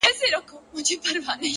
اوس خو رڼاگاني كيسې نه كوي!